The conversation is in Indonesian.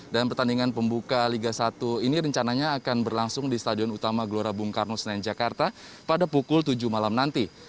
dan pertandingan pembuka liga satu ini rencananya akan berlangsung di stadion utama glora bung karno senenjakarta pada pukul tujuh malam nanti